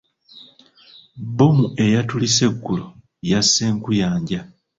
Bbomu eyatulise aggulo, yasse nkuyanja.